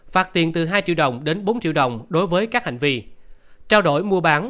phạt tiền từ hai triệu đồng đến bốn triệu đồng đối với các hành vi